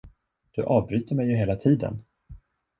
Du avbryter mig ju hela tiden?